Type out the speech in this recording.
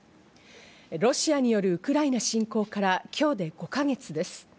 ロシアによるウクライナ侵攻から今日で５か月です。